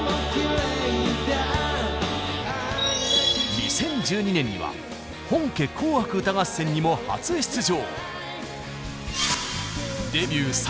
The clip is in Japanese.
２０１２年には本家「紅白歌合戦」にも初出場。